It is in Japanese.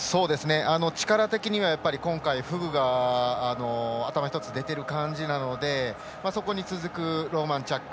力的には今回、フグが頭１つ出てる感じなのでそこに続くローマンチャック。